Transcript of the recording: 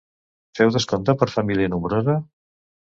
Feu descompte per família nombrosa?